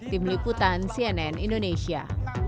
tim liputan cnn indonesia